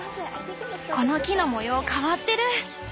この木の模様変わってる。